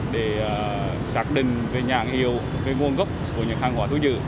để xác định về nhãn hiệu về nguồn gốc của những hàng hóa thu giữ